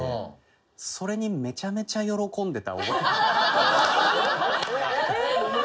それにめちゃめちゃ喜んでた。